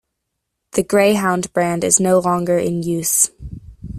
The Greyhound brand is no longer in use.